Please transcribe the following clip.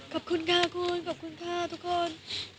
ขอบคุณค่ะคุณขอบคุณค่ะทุกคน